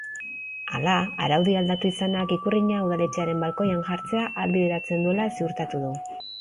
Hala, araudia aldatu izanak ikurrina udaletxearen balkoian jartzea ahalbidetzen duela ziurtatu du.